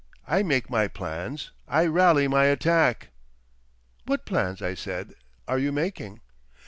I make my plans. I rally my attack." "What plans," I said, "are you making?"